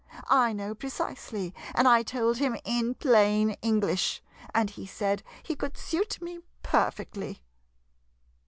I know precisely, and I told him in plain English, and he said he could suit me perfectly.